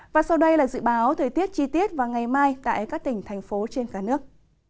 và sau đây là dự báo thời tiết chi tiết vào ngày mai tại các tỉnh thành phố trên cả nước